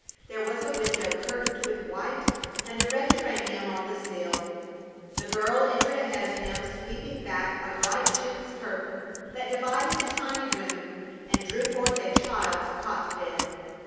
There was a window curtained with white, and a red geranium on the sill. The girl entered ahead of him, sweeping back a bright chintz curtain that divided the tiny room, and drew forth a child's cot bed.